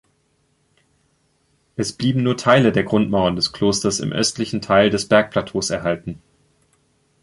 Es blieben nur Teile der Grundmauern des Klosters im östlichen Teil des Bergplateaus erhalten.